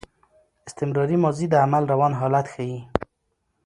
استمراري ماضي د عمل روان حالت ښيي.